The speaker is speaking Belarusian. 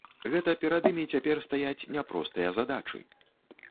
Гэта перад імі цяпер стаяць няпростыя задачы.